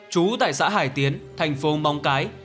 trú tại xã hải tiến thành phố móng cái